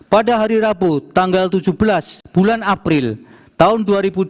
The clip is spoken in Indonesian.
pada hari rabu tanggal tujuh belas bulan april tahun dua ribu dua puluh